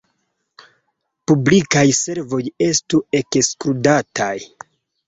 Publikaj servoj estu ekskludataj.